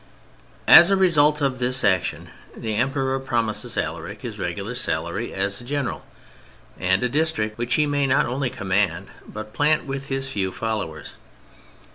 As a result of this action the Emperor promises Alaric his regular salary as a general, and a district which he may not only command, but plant with his few followers.